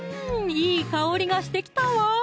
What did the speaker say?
いい香りがしてきたわ